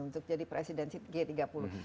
untuk jadi presidensi g tiga puluh